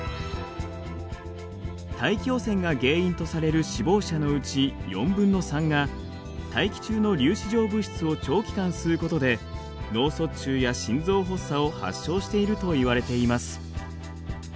大気汚染が原因とされる死亡者のうち４分の３が大気中の粒子状物質を長期間吸うことで脳卒中や心臓発作を発症しているといわれています。